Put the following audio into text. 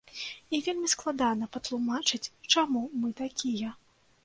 І вельмі складана патлумачыць, чаму мы такія.